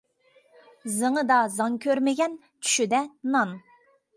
زېڭىدا زاڭ كۆرمىگەن، چۈشىدە نان.